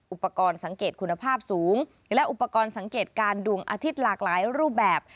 อุปกรณ์สังเกตคุณภาพสูงและอุปกรณ์สังเกตการณ์ดวงอาทิตย์หลากหลายรูปแบบ